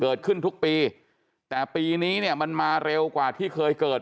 เกิดขึ้นทุกปีแต่ปีนี้เนี่ยมันมาเร็วกว่าที่เคยเกิด